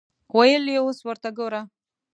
ویل یې اوس ورته ګوره.